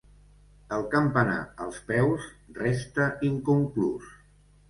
El campanar, als peus, resta inconclús.